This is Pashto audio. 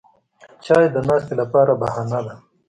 چای د ناستې لپاره بهانه ده